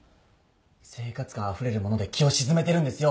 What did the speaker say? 生活感あふれる物で気を静めてるんですよ。